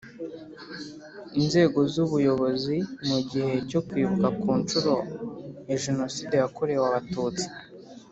inzego z ubuyobozi mu gihe cyo Kwibuka ku nshuro ya Jenoside yakorewe Abatutsi